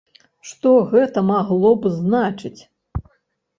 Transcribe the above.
Што гэта магло б значыць?